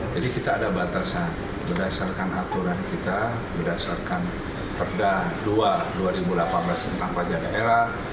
jadi kita ada batasan berdasarkan aturan kita berdasarkan perda dua dua ribu delapan belas tentang pajak daerah